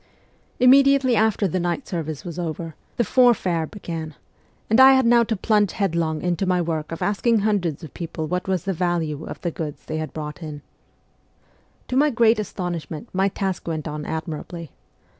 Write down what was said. THE CORPS OF PAGES 121 Immediately after the night service was over, the ' fore fair ' began, and I had now to plunge headlong into my work of asking hundreds of people what was the value of the goods they had brought in. To my great astonishment my task went on admirably.